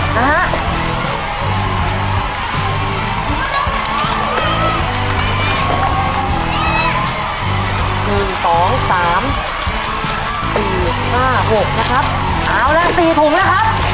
หนึ่งสองสามสี่ห้าหกนะครับเอาล่ะสี่ถุงนะครับ